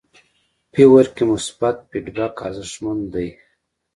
فیور کې مثبت فیډبک ارزښتمن دی.